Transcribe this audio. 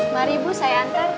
mari ibu saya antar